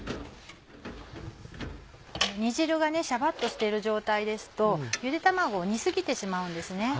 煮汁がシャバっとしている状態ですとゆで卵を煮過ぎてしまうんですね。